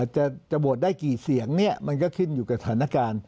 จะโหวตได้กี่เสียงเนี่ยมันก็ขึ้นอยู่กับสถานการณ์